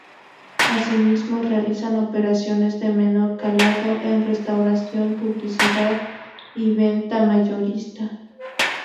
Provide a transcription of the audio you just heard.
Asimismo realizan operaciones de menor calado en restauración, publicidad y venta mayorista.